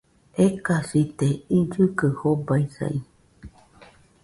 Ekasite, illɨ kaɨ jobaisai